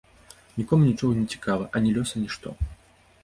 Нікому нічога не цікава, ані лёс, ані што.